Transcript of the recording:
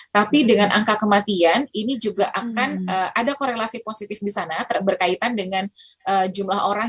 tapi dengan angka kematian ini juga akan ada korelasi positif di sana berkaitan dengan jumlah orang